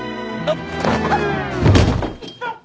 あっ。